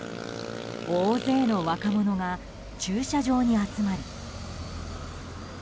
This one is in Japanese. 大勢の若者が駐車場に集まり。